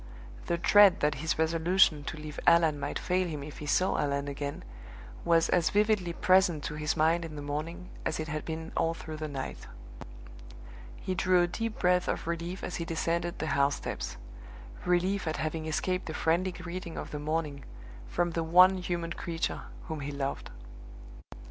The dread that his resolution to leave Allan might fail him if he saw Allan again was as vividly present to his mind in the morning as it had been all through the night. He drew a deep breath of relief as he descended the house steps relief at having escaped the friendly greeting of the morning, from the one human creature whom he loved!